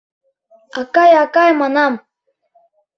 Акай, акай, манам!